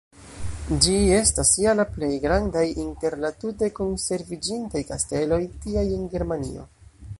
Ĝi estas ja la plej grandaj inter la tute konserviĝintaj kasteloj tiaj en Germanio.